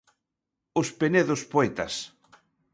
Os penedos poetas.